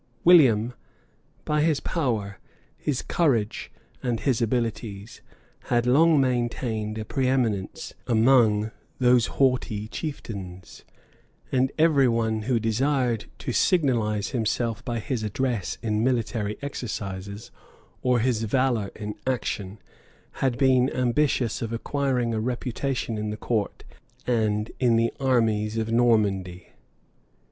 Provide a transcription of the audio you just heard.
William, by his power, his courage, and his abilities, had long maintained a preeminence among those haughty chieftains; and every one who desired to signalize himself by his address in military exercises, or his valor in action, had been ambitious of acquiring a reputation in the court and in the armies of Normandy.